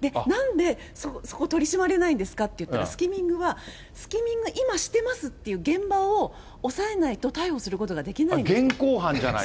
で、なんでそこ取り締まれないんですかって言ったら、スキミングは、スキミング今してますって現場を押さえないと、逮捕すること現行犯じゃないと？